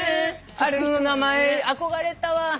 普通の名前憧れたわ。